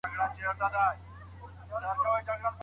هفت مېوه بې ممیزو نه جوړیږي.